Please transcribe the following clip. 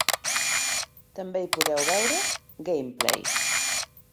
També hi podeu veure: Gameplay.